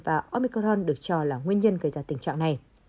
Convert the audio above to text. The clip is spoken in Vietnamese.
và omicron được cho là nguyên nhân gây ra tình trạng này